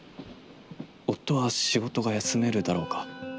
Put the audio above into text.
夫は仕事が休めるだろうか？